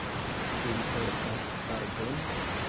Ĉu li portas barbon?